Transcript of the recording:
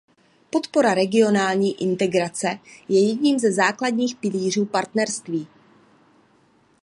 Podpora regionální integrace je jedním ze základních pilířů partnerství.